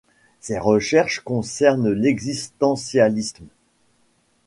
Ses recherches concernent l’existentialisme.